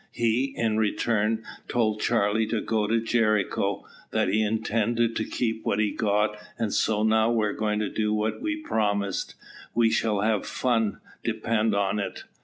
He, in return, told Charlie to go to Jericho, that he intended to keep what he'd got; and so now we're going to do what we promised. We shall have some fun, depend on it."